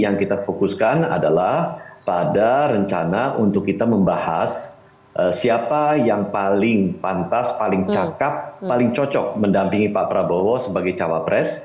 yang kita fokuskan adalah pada rencana untuk kita membahas siapa yang paling pantas paling cakep paling cocok mendampingi pak prabowo sebagai cawapres